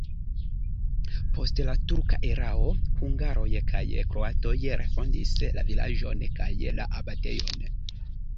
Post la turka erao hungaroj kaj kroatoj refondis la vilaĝon kaj la abatejon.